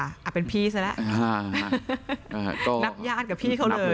อ่ะเป็นพี่ซะแล้วนับญาติกับพี่เขาเลย